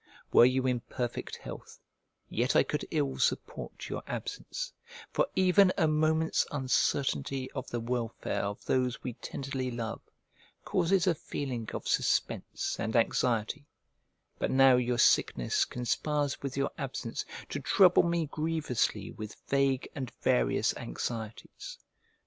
Were you in perfect health, yet I could ill support your absence; for even a moment's uncertainty of the welfare of those we tenderly love causes a feeling of suspense and anxiety: but now your sickness conspires with your absence to trouble me grievously with vague and various anxieties.